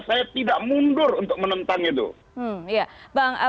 saya tidak mundur untuk menentang itu